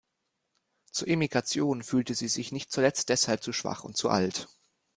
Zur Emigration fühlte sie sich nicht zuletzt deshalb zu schwach und zu alt.